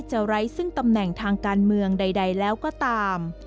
ไร้ซึ่งตำแหน่งทางการเมืองใดแล้วก็ตาม